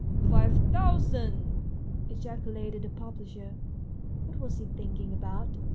" Five thousand !" ejaculated the publisher. What was he thinking about